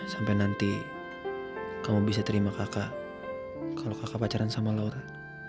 sampai nanti kamu bisa terima kakak kalau kakak pacaran sama laura